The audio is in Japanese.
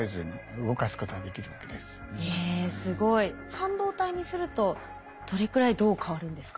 半導体にするとどれくらいどう変わるんですか？